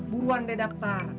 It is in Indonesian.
buruan deh daftar